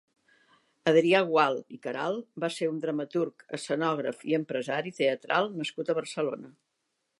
Adrià Gual i Queralt va ser un dramaturg, escenògraf i empresari teatral nascut a Barcelona.